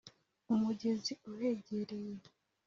umugezi uhegereye